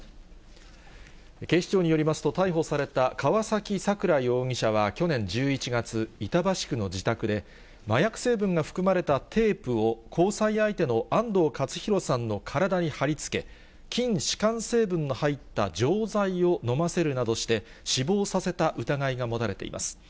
警視庁によりますと、逮捕された川崎さくら容疑者は去年１１月、板橋区の自宅で、麻薬成分が含まれたテープを交際相手の安藤勝弘さんの体に貼り付け、筋弛緩剤の成分の入った錠剤を飲ませるなどして死亡させた疑いが持たれています。